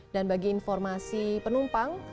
dan bagi informasi penumpang